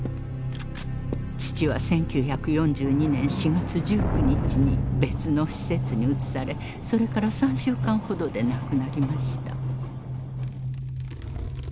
父は１９４２年４月１９日に別の施設に移されそれから３週間ほどで亡くなりました。